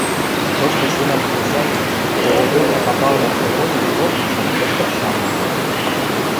тошты семӓн хресӓньӹм, коготьотя-папавлӓн согоньым шоктышым ӹштӓш шанен ыльы.